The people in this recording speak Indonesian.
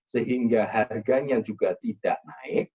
sehingga harganya juga tidak naik